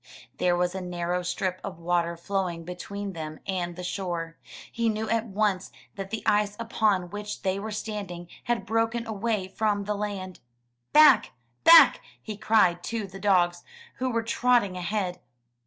There was a narrow strip of water flowing between them and the shore. He knew at once that the ice upon which they were standing had broken away from land. "Back! Back!'' he cried to the dogs, who were trotting ahead.